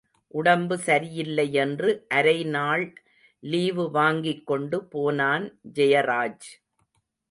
உடம்பு சரியில்லையென்று அரை நாள் லீவு வாங்கிக் கொண்டு போனான் ஜெயராஜ்.